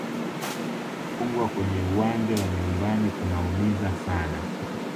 Kufungwa kwenye uwanja wa nyumbani kunaumiza sana